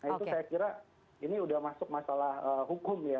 nah itu saya kira ini sudah masuk masalah hukum ya